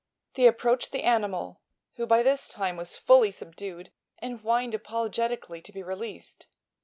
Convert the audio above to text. They approached the animal, who by this time was fully subdued and whined apologetically to be released.